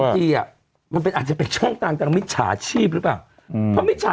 บางทีอ่ะมันเป็นอาจจะเป็นช่องต่างจากมิจฉาชีพหรือเปล่า